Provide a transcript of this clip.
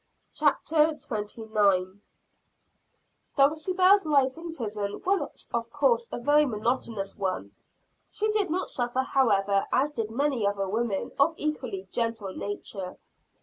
CHAPTER XXIX. Dulcibel's Life in Prison. Dulcibel's life in prison was of course a very monotonous one. She did not suffer however as did many other women of equally gentle nature.